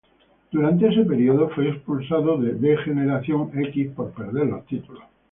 Durante este período, fue expulsado de D-Generation X por perder los títulos.